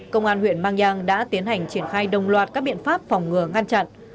công an huyện mang giang đã tiến hành triển khai đồng loạt các biện pháp phòng ngừa ngăn chặn